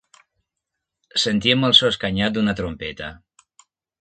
Sentíem el so escanyat d'una trompeta.